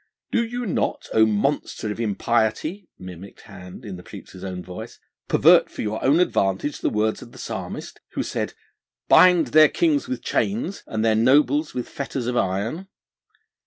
'Did you not, O monster of impiety,' mimicked Hind in the preacher's own voice, 'pervert for your own advantage the words of the Psalmist, who said, "Bind their kings with chains, and their nobles with fetters of iron"?